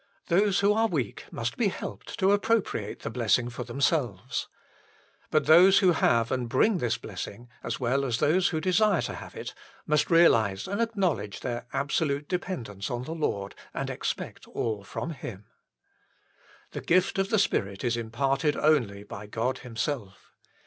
Those who are weak must be helped to appropriate the blessing for themselves. But those who have and bring this blessing, as well as those who desire to have it, must realise and acknowledge their absolute dependence on the Lord and expect all from Him. The gift of the Spirit is imparted only by God Himself.